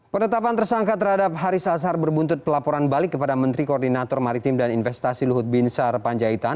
penetapan tersangka terhadap haris azhar berbuntut pelaporan balik kepada menteri koordinator maritim dan investasi luhut binsar panjaitan